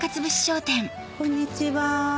こんにちは。